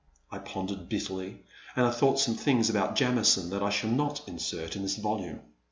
'* I pondered bitterly, and I thought some things about Jami son that I shall not insert in this volume.